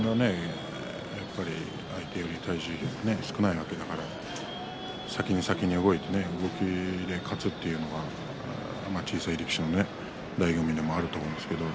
相手より体重が少ないわけだから先に先に動いて動きで勝つというのが小さい力士のだいご味でもあると思うんですけどね。